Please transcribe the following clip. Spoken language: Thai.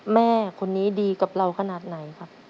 แม่คนนี้ดีกับเราขนาดไหนครับ